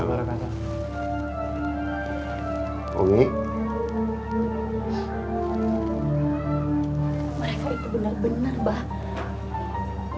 mereka itu benar benar bahagia